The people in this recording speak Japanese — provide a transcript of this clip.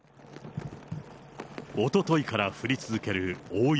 おとといから降り続ける大雪。